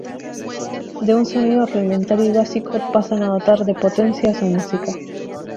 De un sonido rudimentario y básico, pasan a dotar de potencia a su música.